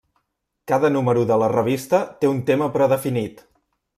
Cada número de la revista té un tema predefinit.